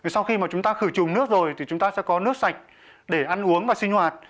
sau khi mà chúng ta khử trùng nước rồi thì chúng ta sẽ có nước sạch để ăn uống và sinh hoạt